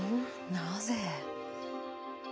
なぜ？